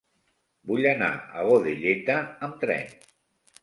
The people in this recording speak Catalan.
Vull anar a Godelleta amb tren.